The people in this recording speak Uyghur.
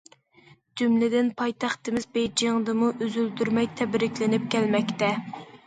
جۈملىدىن پايتەختىمىز بېيجىڭدىمۇ ئۈزۈلدۈرمەي تەبرىكلىنىپ كەلمەكتە.